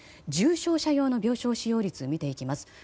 重症者用の病床使用率を見ていきます。